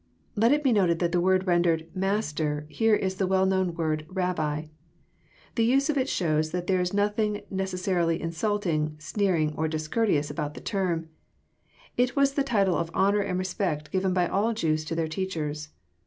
Let it be noted that the word rendered *' Master" here Is the well known word "Rabbi. The use of it shows that there is nothing necessarily insulting, sneering, or discourteous about the term. It was the title of honour and respect given by &11 Jews to their teachers.